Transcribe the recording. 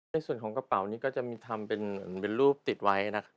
ในส่วนของกระเป๋านี้ก็จะมีทำเป็นรูปติดไว้นะครับ